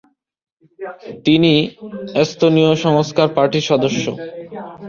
তিনি এস্তোনীয় সংস্কার পার্টির সদস্য।